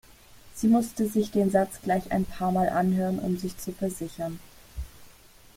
Sie musste sich den Satz gleich ein paarmal anhören um sich zu versichern.